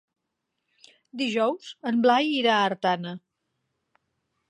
Dijous en Blai irà a Artana.